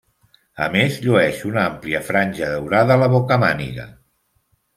A més llueix una ampla franja daurada a la bocamàniga.